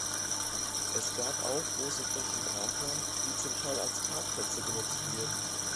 Es gab auch große Flächen Brachland, die zum Teil als Parkplätze genutzt wurden.